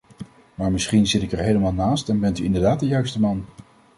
Maar misschien zit ik er helemaal naast en bent u inderdaad de juiste man.